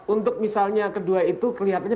untuk misalnya kedua itu kelihatannya